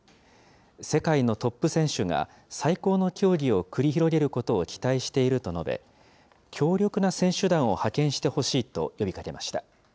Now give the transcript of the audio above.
世界のトップ選手が最高の競技を繰り広げることを期待していると述べ、強力な選手団を派遣してほしいと呼びかけました。